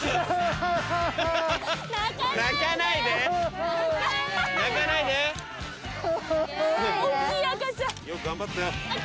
よく頑張ったよ。